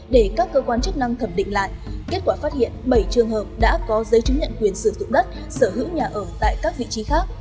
để các cơ quan chức năng thẩm định lại kết quả phát hiện bảy trường hợp đã có giấy chứng nhận quyền sử dụng đất sở hữu nhà ở tại các vị trí khác